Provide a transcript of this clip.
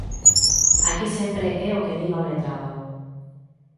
Aquí sempre é o que diga o letrado.